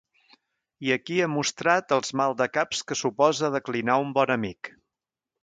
I aquí he mostrat els maldecaps que suposa declinar un bon amic.